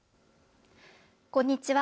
こんにちは。